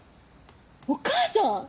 お母さん！？